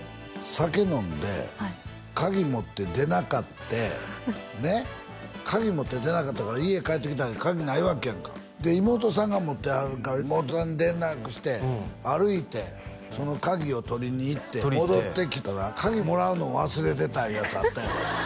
酒飲んで鍵持って出なかってねっ鍵持って出なかったから家帰ってきたら鍵ないわけやんかで妹さんが持ってはるから妹さんに連絡して歩いてその鍵を取りに行って戻ってきたら鍵もらうの忘れてたいうやつあったやろ？